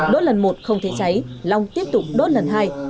đốt lần một không thấy cháy long tiếp tục đốt lần hai